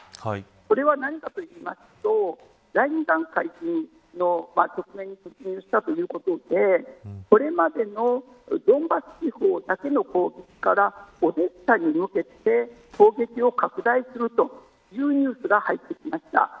それは何かと言いますと第２段階の局面に突入したということでこれまでのドンバスへの攻撃からオデーサに向けて攻撃を拡大するというニュースが入ってきました。